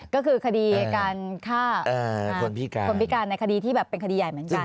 ก็คือคดีการฆ่าคนพิการคนพิการในคดีที่แบบเป็นคดีใหญ่เหมือนกัน